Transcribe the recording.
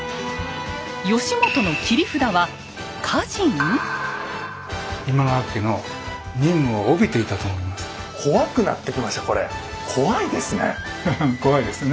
義元の切り札は怖いですね。